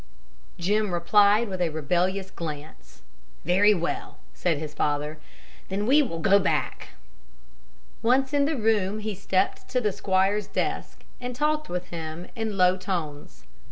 Jim replied with a rebellious glance. "Very well," said his father. "Then we will go back." Once in the room, he stepped to the squire's desk, and talked with him in low tones.